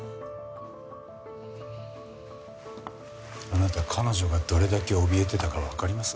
あなた彼女がどれだけおびえてたかわかります？